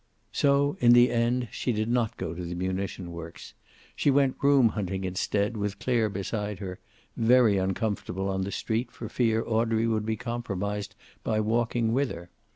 So, in the end, she did not go to the munition works. She went room hunting instead, with Clare beside her, very uncomfortable on the street for fear Audrey would be compromised by walking with her.